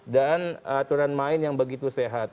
dan aturan main yang begitu sehat